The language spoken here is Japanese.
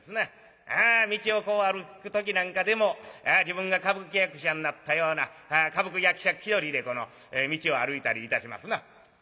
ああ道をこう歩く時なんかでも自分が歌舞伎役者になったような歌舞伎役者気取りでこの道を歩いたりいたしますな。